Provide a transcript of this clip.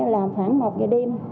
là khoảng một giờ đêm